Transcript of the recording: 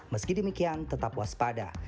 meski demikian tetap waspada